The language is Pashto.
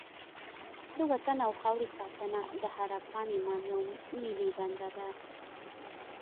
د وطن او خاورې ساتنه د هر افغان ایماني او ملي دنده ده.